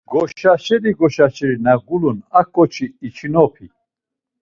Goşaşeri goşaşeri nagulun a k̆oçi içinopi?